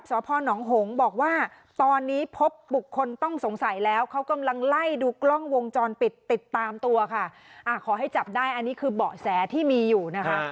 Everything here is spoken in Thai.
สงสัยแล้วเขากำลังไล่ดูกล้องวงจรปิดติดตามตัวค่ะอ่าขอให้จับได้อันนี้คือเบาะแสที่มีอยู่นะคะ